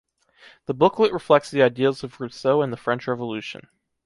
The booklet reflects the ideals of Rousseau and the French Revolution.